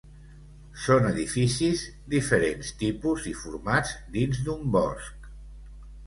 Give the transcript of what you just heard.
Són edificis diferents tipus i formats dins d'un bosc.